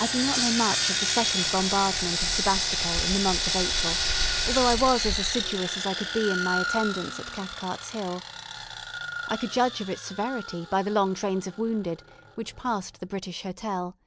I do not know much of the second bombardment of Sebastopol in the month of April, although I was as assiduous as I could be in my attendance at Cathcart's Hill. I could judge of its severity by the long trains of wounded which passed the British Hotel.